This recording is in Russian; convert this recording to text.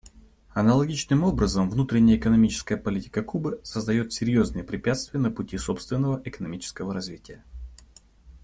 Аналогичным образом, внутренняя экономическая политика Кубы создает серьезные препятствия на пути собственного экономического развития.